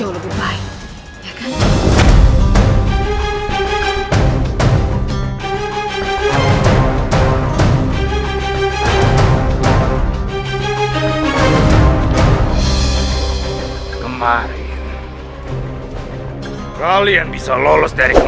sebarkan ihm siap